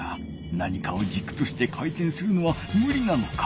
何かをじくとして回転するのはむりなのか。